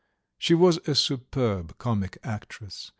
She was a superb comic actress.